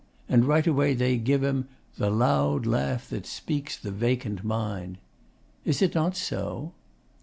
and right away they give him "the loud laugh that speaks the vacant mind." Is it not so?